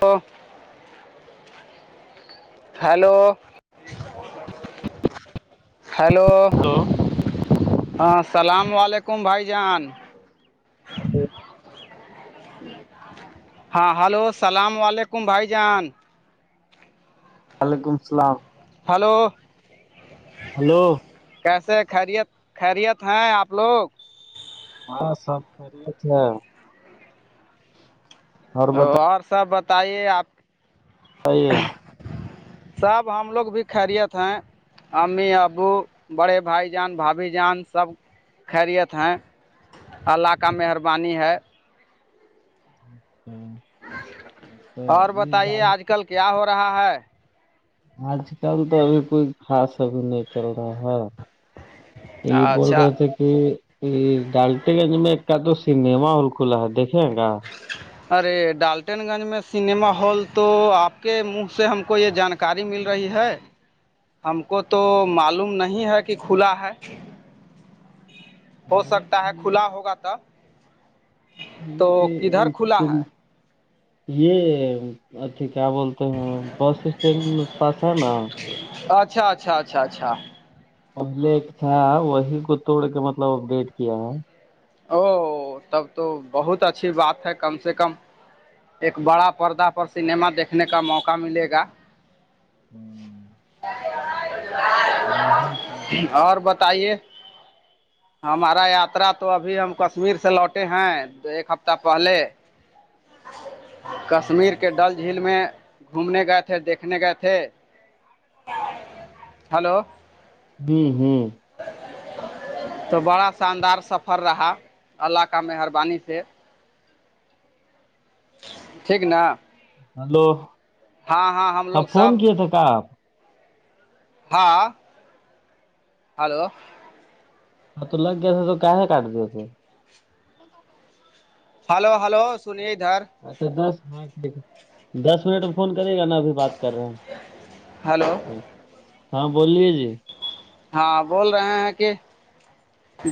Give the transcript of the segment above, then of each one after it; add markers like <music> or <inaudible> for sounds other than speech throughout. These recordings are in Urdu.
تو ہیلو ہلو ہلو ہاں السلام و علیکم بھائی جان ہیلو ہاں ہلو السلام و علیکم بھائی جان وعلیکم السلام ہلو ہلو کیسے ہیں خیریت خیریت ہیں آپ لوگ ہاں سب خیریت ہے اور سب بتائیے آپ صحیح ہے سب ہم لوگ بھی خریت ہیں امی ابو بڑے بھائی جان بھابھی جان سب خیریت ہیں اللہ کا مہربانی ہے اچھا تو اور یہ بتائیے آج کل کیا ہو رہا ہے آج کل تو ابھی کوئی خاص ابھی نہیں چل رہا ہے یہ بول اچھا رہے تھے یہ یہ ڈالٹے گنج میں ایک کا تو سنیما ہال کھلا ہے دیکھے گا ارے ڈالٹن گنج میں سنیما ہال تو آپ کے منہ سے ہم کو یہ جانکاری مل رہی ہے ہم کو تو معلوم نہیں ہے کہ کھلا ہے ہو سکتا ہے کھلا ہوگا تب تو کدھر کھلا ہے یہ کیا بولتے ہیں بس اسٹینڈ پاس ہے نا اچھا اچھا اچھا اچھا اچھا اب لیک تھا وہی کو توڑ کے مطلب اپڈیٹ کیا ہے او تب تو بہت اچھی بات ہے کم سے کم ایک بڑا پردہ پر سنیما دیکھنے کا موقع ملے گا ہ اور <inaudible> بتائیے ہ ہمارا یاترا تو ابھی ہم کشمیر سے لوٹے ہیں ایک ہفتہ پہلے اچھا کشمیر کے ڈل جھیل میں گھومنے گئے تھے دیکھنے گئے تھے ہلو ہوں تو بڑا شاندار سفر رہا اللہ کا مہربانی سے ٹھیک نا ہلو ہاں ہم ہاں لوگ فون سب کیا تھے کہ آپ ہاں ہلو ہاں تو لگ گیا تھا تو کیسے کاٹ دیے تھے ا ہلو ہلو سنیے ادھر اچھا دس مٹٹیک ہے دس منٹ میں فون کرے گا نا بھی بات کر رہے ہیں ہلو ٹھیک ہاں بووللیے جی ہاں بول رہے ہیں کہ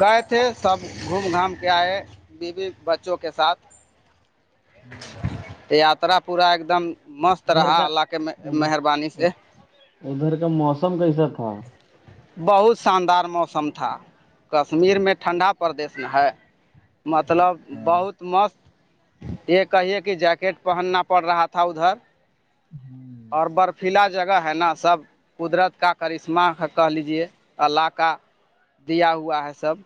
گئے تھے سب گھوم گھام کے آئے بیوی بچوں کے ساتھ تو یاترا پورا ایک دم مست ادھر رہا کا اللہ کے مہربانی ادھر سے ادھر کا موسم کیسا تھا بہت شاندار موسم تھا کشمیر میں ٹھنڈا پردیش ہے مطلب ہوں بہت مست یہ کہیے کہ جیکٹ پہننا پڑ رہا تھا ادھر اور برفیلا جگہ ہے نا سب قدرت کا کرشمہ کہہ لیجیے اللہ کا دیا ہوا ہے سب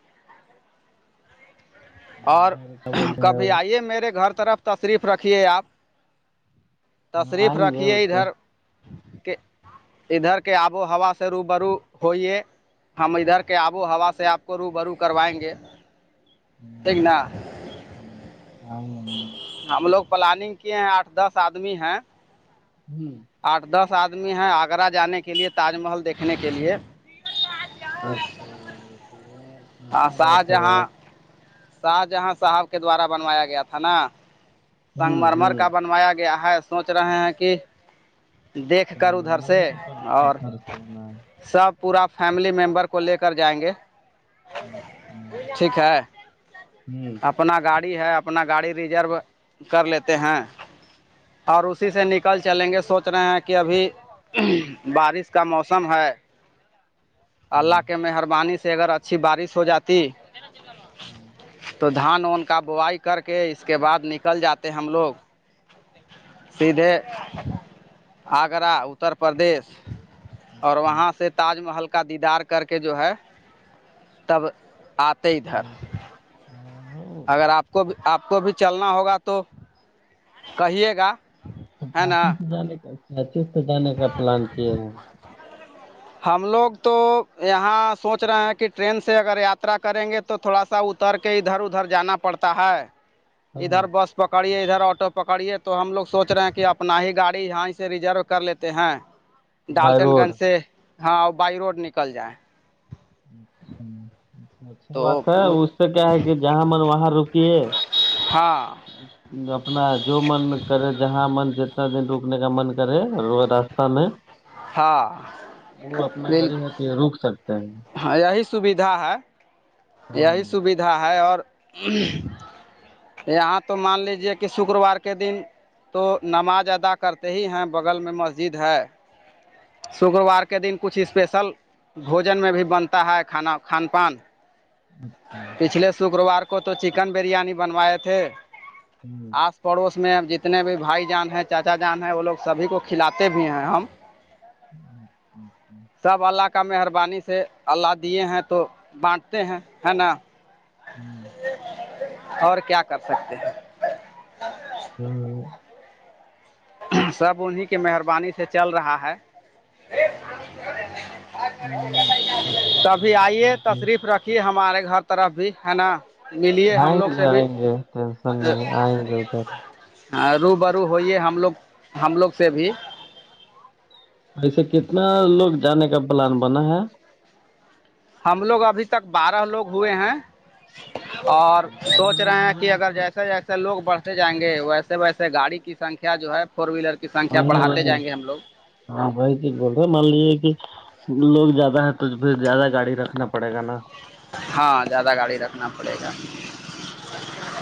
اور کیا بولتے ہیں کبھی آئیے میرے گھر طرف تشریف رکھیے آپ ہاں تشریف آئیں گے وہ رکھیے تو ادھر کے ادھر کے آب و ہوا سے رو برو ہوئیے ہم ادھر کے آب و ہوا سے آپ کو رو برو کروائیں گے ہوں ایکگنا ہ ہ آ ہوں ہم لوگ پلاننگ کیے ہیں آٹھ دس آدمی ہیں ہوں آٹھ دس آدمی ہیں آگرہ جانے کے لیے تاج محل دیکھنے کے لیے اچھا ہاں اچھا بات ہے شاہجہاں بات شاہ جہاں صاحب کے دوارا بنوایا گیا تھا نا ہوں سنگمرمر ہوں کا بنوایا گیا ہے سوچ رہے ہیں کہ دیکھ کر ادھر سنگمرمر سے کے پت- اور پتھر سے بنا ہے سب پورا فیملی ممبر کو لے کر جائیں گے اچھا ٹھیک ہے جی اپنا گاڑی ہے اپنا گاڑی ریزرو کر لیتے ہیں اور اسی سے نکل چلیں گے سوچ رہے ہیں کہ ابھی بارش کا موسم ہے اللہ ہاں کے مہربانی سے اگر اچھی بارش ہو جاتی ہاں تو دھان ان کا بوائی کر کے اس کے بعد نکل جاتے ہم لوگ سیدھے آگرہ اتر پردیش اور اچھا وہاں سے تاج محل کا دیدار کر کے جو ہے تب آتا ہاں اگر آپ کو بھی آپ کو بھی چلنا ہوگا تو کہیے گا تو ہے کاچی نا سے جانے کاچی سے جانے کا پلان کیے ہیں ہم لوگ تو یہاں سوچ رہے ہیں کہ ٹرین سے اگر یاترا کریں گے تو تو تھوڑا سا اتر کے ادھر ادھر جانا پڑتا ہے ہاں، ادھر بس پکڑیے ادھر آٹو پکڑیے تو ہم لوگ سوچ رہے ہیں کہ اپنا ہی گاڑی یہاں ہی سے ریزرو کر لیتے ہیں بائی ڈالٹن روڈ گنج اچھا سے ہاں بائی روڈ نکل جائےیں اچ اچھا بات تو ہے اس سے کیا ہے کہ جہاں من وہاں رکیے ہاں اپنا جو من کرے جہاں من ج انا دن روکنے کا من کرے راستہ میں ہاں وہ اپنا گھر ہے بالکل کہ روک سکتا ہے ہاں یہی سویدھا ہے یہی ہوں سویدھا ہے اور یہاں تو مان لیجیے کہ شکروار کے دن تو نماز ادا کرتے ہی ہیں بغل میں مسجد ہے شکروار کے دن کچھ اسپیشل بھوجن میں بھی بنتا ہے کھانا کھان پان تو پچھلے شکروار کو تو چکن بریانی بنوائے تھے آج پڑوس میں اب جتنے بھی بھائی جان ہیں چاچا جان ہے وہ لوگ سبھی کو کھلاتے بھی ہیں ہم ج ہ ہ ہ ہ <unintelligible> سب اللہ کا مہربانی سے اللہ دیے ہیں تو بانٹتے ہیں ہے نا ہوں اور کیا کر سکتے ہیں ہوں سب انہیں کے مہربانی سے چل رہا ہے یہ آپ کو کیا تبھی بولتے آئیے ہیں کہ تشریف رکھیے ہمارے گھر طرف بھی ہے نا ملیے ہم آئیں لوگ گے سے بھی آئیں گے ٹینشن نہیں آئیں گے ادار ہاں رو برو ہوئیے ہم لوگ ہم لوگ سے بھی ایسے کتنا لوگ جانے کا پلان بنا ہے ہم لوگ ابھی تک بارہ لوگ ہوئے ہیں اور بارہ سوچ لوگ رہے ہیں ہوئے کہ اگر تو جیسے جیسے سے لوگ بڑھتے جائیں گے ویسے ویسے گاڑی کی سنکھیا جو ہے فور ویلر کی سنکھیا وہی بڑاتے وہی جائیں گے ہم لوگ ہاں بھائی یک بول رہے مان لیے کہ لوگ زیادہ ہے تو پھر زیادہ گاڑی رکھنا پڑے گا نا ہاں زیادہ گاڑی رکھنا پڑے گا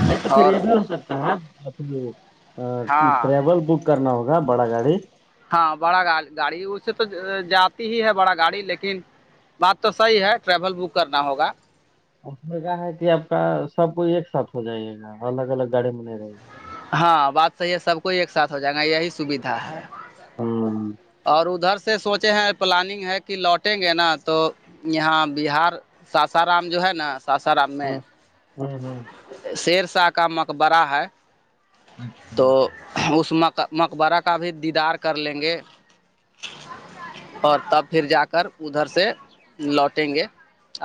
نہیں تو پھر اور یہ بھی ہو سکتا ہے ہاں ٹریول بک کرنا ہوگا بڑا گاڑی ہاں بڑا گاڑ گاڑی اس سے تو جاتی ہی ہے بڑا گاڑی لیکن بات تو صحیح ہے ٹریول بک کرنا ہوگا اس میں کہ ہے کہ آپ کا سب کوئی ایک ساتھ ہو جائےے گا الگ الگ گاڑے میں نہیں رہے گا ہاں بات صحیح ہے سب کو ایک ساتھ ہو جائےیں گا یہی سویدھا ہے ہاں اور ادھر سے سے سوچے ہیں پلاننگ ہے کہ لوٹیں گے نا تو یہاں بہار ساسارام جو ہے نا سسرام میں ہاں ہاں شیرساہ کا مقبرہ ہے تو اس مق مقبرہ کا بھی دیدار کر لیں گے اور تب پھر جا کر ادھر سے لوٹیں گے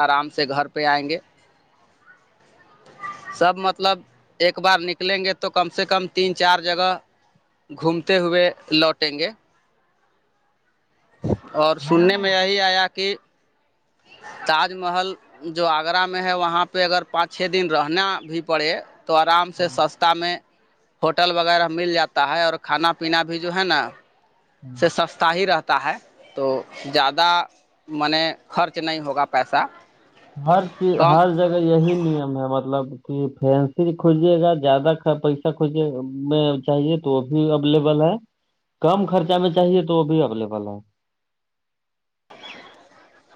آرام سے گھر پہ آئیں گے سب مطلب ایک بار نکلیں گے تو تو کم سے کم تین چار جگہ گھومتے ہوئے لوٹیں گے اور سننے ہاں میں یہی آیا کہ تاج محل جو آگرہ میں ہے وہاں پہ اگر پانچ چھ دن رہنا بھی پڑے تو آرام سے ہوں، سستا میں ہوٹل وغیرہ مل جاتا ہے اور کھانا پینا بھی جو ہے نا ہوں۔ سے ساس ت ہی رہتا ہے تو زیادہ میں نے خرچ نہیں ہوگا پیسہ ہر چیز کم ہر جگہ یہی نعمت ہے ہم مطلب کہ فینسی کھجیے گا زیادہ پیسہ کھجیے میں چاہیے تو وہ بھی اویلیبل ہے کم خرچہ میں چاہیے تو وہ بھی اویلیبل ہے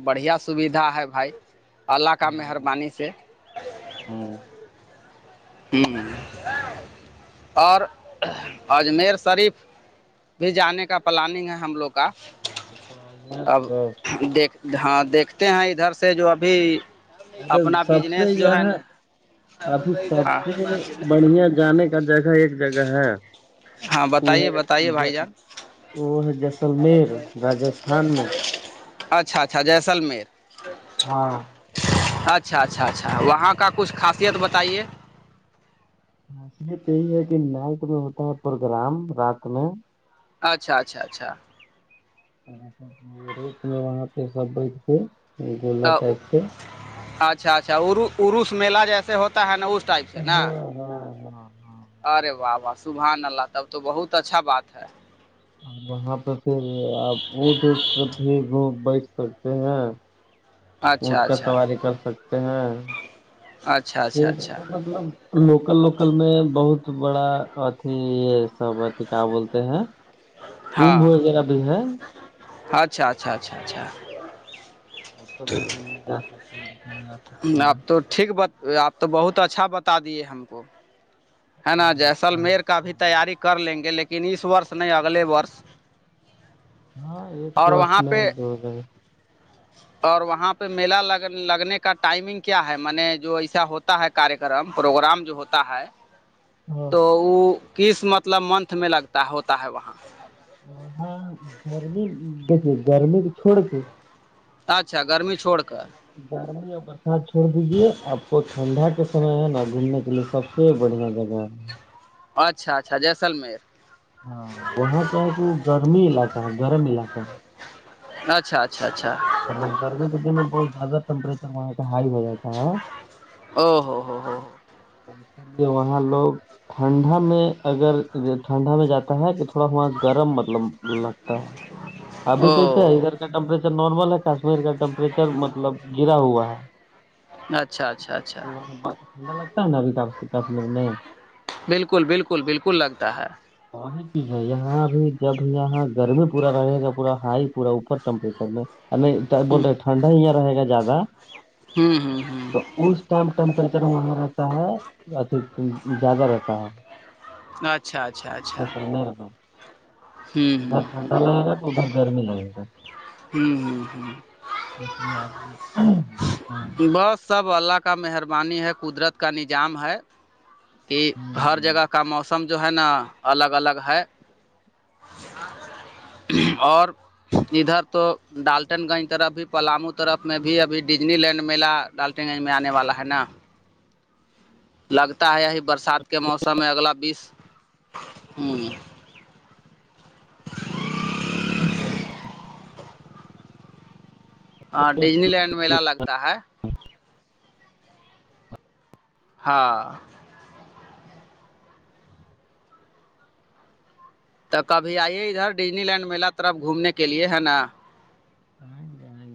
بڑھیا سویدھا ہے بھائی اللہ کا ہاں مہربانی سے ہوں ہ اور اجمیر شریف بھی جانے کا پلاننگ ہے ہم لوگ کا اب دیکھ ہاں دیکھتے ہیں ادھر سے جو ابھی اچھا اپنا سب سے بجنس جو ہے یہ نا کافی سب ہاں سے بڑھیا جانے کا جگہ ایک جگہ ہے ہاں پ بتائیے ہےے بتائیے ج بھائی جان وہ ہے جسللمیر راجستھان میں اچھا اچھا جیسلمیر ہاں اچھا اچھا اچھا وہاں کا کچھ خاصیت بتائیے نصیت یہی ہے کہ نائٹ میں ہوتا ہے پروگرام رات میں اچھا اچھا اچھا ری میں وہاں پہ سب بیٹھتے گولا ٹائپ سے اچھا اچھا عروس میلا جیسے ہوتا ہے نا اس ٹائپ سے نا ہاں ہاں ہاں ارے واہ واہ صبحان اللہ تب تو بہت اچھا بات ہے وہاں پہ پھر آپ اٹ اٹ کر بھی گوم بیٹھ سکتے ہیں <inaudible> اونٹ کر اچھا سواری کر سکتے ہیں اچھا اچھا اچھا مطلب لوکل لوکل میں بہت بڑا اھی ہے سبتی کیا بولتے ہیں ہاں کمب وغیرہ بھی ہے اچھا اچھا اچچ اور سب بھییکھاں د آپ تو ٹھیک ب آپ تو بہت اچھا بتا دیے ہم کو ہے نا ہاں آپ جیسلمیر کا بھی تیاری کر لیں گے لیکن اس وورس نہیں اگلے وورس ہاں ایک وس میں پہ دو جائے اور وہاں پہ میلا لگ لگنے کا کا ٹائمنگ کیا ہے میں نے جو ایسا ہوتا ہے کار کررم پروگرام جو ہوتا ہے ہاں تو وہ کس مطلب منتھ میں لگتا ہوتا ہے وہاں وہاں گرمی دیکھیے گرمی تو چھوڑ کے اچھا گرمی چھوڑ کر گرمی اور برسات چھوڑ دیجے آپ کو ٹھنڈا کے سمے ہے نا گھومنے کے لیے سب یہ بڑھیا جگہ ہے اچھا اچھا جیسلمیر ہاں وہاں کیا ہے کہ وہ گرمی علاقہ ہے گرم علاقہ ہے اچھا اچھا اچھا م گرمی کے دن میں بہت زیادہ ٹیمپچر وہاں کاہائی ہو جائےتا ہاں او ہو ہو ہو وہاں لوگ ٹھنڈا میں اگر ٹھنڈا میں جاتا ہے کہ تھوڑا تھڑا گرم مطلب لگتا ہے ابھی کیسے ہے او ادھر کا ٹیمپریچر نارمل ہے کشمیر کا ٹیمپریچر مطلب گرا ہوا ہے اچھا اچھا اچھا بتٹھنا لگتا ہ ہونا بھی کپ سے کپ م میں بالکل بالکل بالکل لگتا ہے وہی چیز ہے یہاں ا بھی جب یہاں گرمی پورا رہے گا پورا ہائی پورا اوپر ٹیمپریچر میں نہیں ہوں بول رہے ٹھنڈا ہی رہے گا زیادہ ہوں ہوں ہوں تو اس ٹائم ٹیمپریچر وہاں رہتا ہے زیادہ رہتا ہے اچھا اچھا اچھا جیسلمیر ہوں ادھر ہوں ٹھنڈا لگے گا تو ادھر گرمی لگے گا ہ ہ ہ اس لیے آدمی جاتا ہے بس سب اللہ کا کا مہربانی ہے قدرت کا نظام ہے کہ ہ ہر ہ جگہ کا موسم سمجھو ہے نا الگ الگ ہے اور ادھر تو ڈالٹن گنج طرف بھی پلامو طرف میں بھی ابھی ڈزنی لینڈ میلہ ڈالٹن گنج میں آنے والا ہے نا لگتا ہے یہی برسات کے موسم میں اگلا بیس ہوں ج <inaudible> س <inaudible> ہاں ڈزنی لینڈ میلالہ لگتا ہے ہاں تو کبھی آئیے ادھر ڈزنی لینڈ میلہ طرف گھومنے کے لیے ہے نا ہاں آجا ئے